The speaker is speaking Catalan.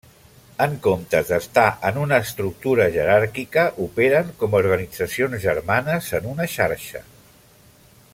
En comptes d'estar en una estructura jeràrquica, operen com organitzacions germanes en una xarxa.